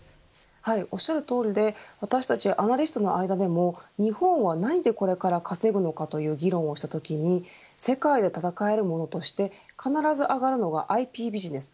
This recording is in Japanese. おっしゃるとおりで私たちアナリストの間でも日本は何でこれから稼ぐのかという議論をしたときに世界で戦えるものとして必ず上がるのがＩＰビジネス。